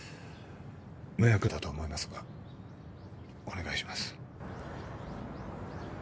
迷惑だとは思いますがお願いします